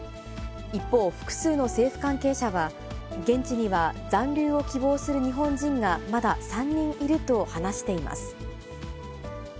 一方、複数の政府関係者は、現地には残留を希望する日本人がまだ３人いると話しています。